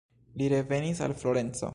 Li revenis al Florenco.